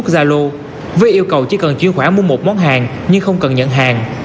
các trang web youtube facebook gia lô với yêu cầu chỉ cần chuyên khoản mua một món hàng nhưng không cần nhận hàng